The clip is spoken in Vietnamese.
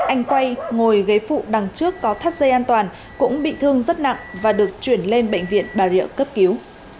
anh quay ngồi ghế phụ đằng trước có thắt dây an toàn cũng bị thương rất nặng và được chuyển lên bệnh viện bà rịa cấp cứu